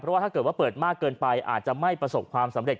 ว่าถ้าเกิดว่าเปิดมากเกินไปอาจจะไม่ประสบความสำเร็จ